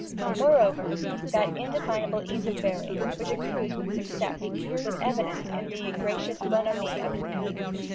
Moreover, that indefinable ease of bearing, which accrues with success, was evident in the gracious bonhomie of his mien.